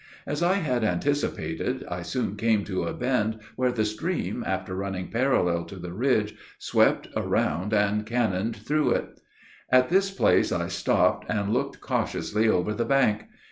As I had anticipated, I soon came to a bend where the stream, after running parallel to the ridge, swept around and canoned through it. At this place I stopped, and looked cautiously over the bank.